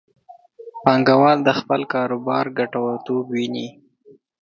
پانګوال د خپل کاروبار ګټورتوب ویني.